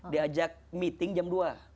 diajak meeting jam dua